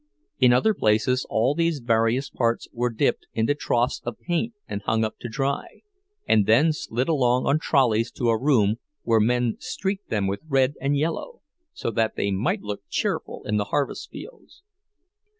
In other places all these various parts were dipped into troughs of paint and hung up to dry, and then slid along on trolleys to a room where men streaked them with red and yellow, so that they might look cheerful in the harvest fields.